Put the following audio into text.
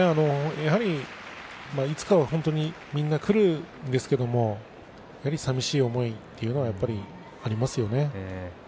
やはり、いつかはみんな来るわけですがさみしい思いというのがやはりありますね。